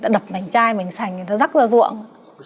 đập mảnh chai mình sành người ta rắc ra ruộng